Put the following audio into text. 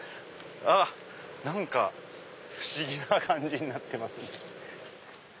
何か不思議な感じになってますね。